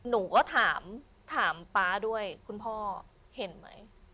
หนูก็ถามถามป๊าด้วยคุณพ่อเห็นไหม